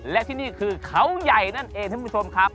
และที่นี่คือเขาใหญ่นั่นเองท่านผู้ชมครับ